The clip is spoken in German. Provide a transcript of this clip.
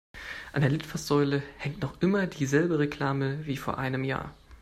An der Litfaßsäule hängt noch immer die selbe Reklame wie vor einem Jahr.